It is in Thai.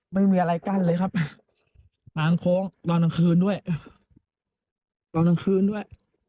ไม่มีอะไรกั้นเลยครับหลังโค้งรอตั้งคืนด้วยรอตั้งคืนด้วย